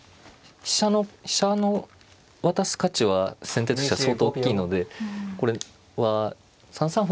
飛車の渡す価値は先手としては相当大きいのでこれは３三歩